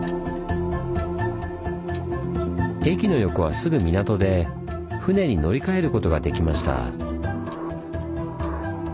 駅の横はすぐ港で船に乗り換えることができました。